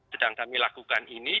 sedang kami lakukan ini